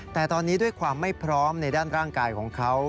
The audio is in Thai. แต่ตอนนี้ด้วยความไม่พร้อมในด้านร่างกายของเขา